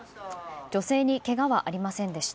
女性にけがはありませんでした。